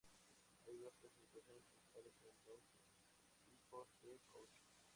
Hay dos clasificaciones principales de los subtipos de koch.